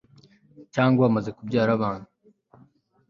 cyangwa bamaze kubyara abana